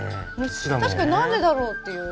確かに何でだろうっていう。